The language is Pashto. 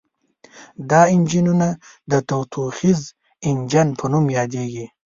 دا انجنونه د تودوخیز انجن په نوم یادیږي.